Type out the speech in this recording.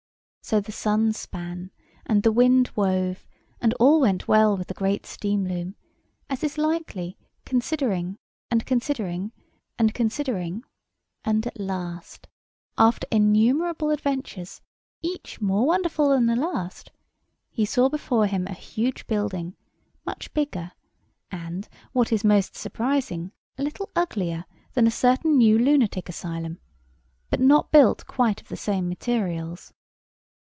So the sun span, and the wind wove, and all went well with the great steam loom; as is likely, considering—and considering—and considering— And at last, after innumerable adventures, each more wonderful than the last, he saw before him a huge building, much bigger, and—what is most surprising—a little uglier than a certain new lunatic asylum, but not built quite of the same materials.